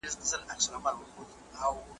د ُملا په څېر به ژاړو له اسمانه `